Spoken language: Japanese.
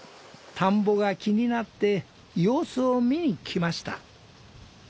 田んぼが気になって様子を見に来ました。